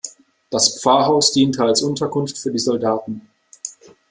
Das Pfarrhaus diente als Unterkunft für die Soldaten.